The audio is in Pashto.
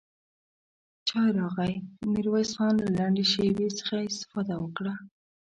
چای راغی، ميرويس خان له لنډې شيبې څخه استفاده وکړه.